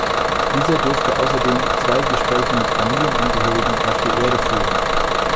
Dieser durfte außerdem zwei Gespräche mit Familienangehörigen auf der Erde führen.